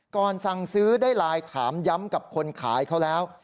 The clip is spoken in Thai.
สั่งซื้อได้ไลน์ถามย้ำกับคนขายเขาแล้ว